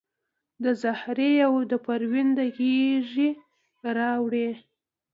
د زهرې او د پروین د غیږي راوړي